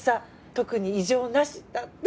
特に異常なしだって。